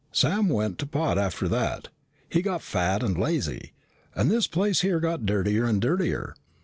Sam went to pot after that. He got fat and lazy, and his place here got dirtier and dirtier.